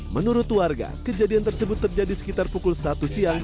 menurut warga kejadian tersebut terjadi sekitar pukul satu siang